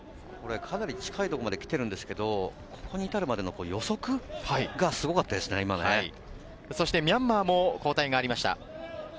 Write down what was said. かなり近いところまで来ているんですけど、ここに至るまでの予測がミャンマーも交代がありました。